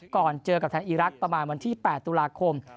ก่อนเจอกับทางอีรักษ์ประมาณวันที่๘ตุลาคม